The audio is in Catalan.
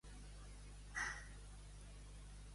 Només grunys i onomatopeies.